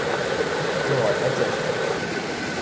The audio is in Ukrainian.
Стривай, а це що?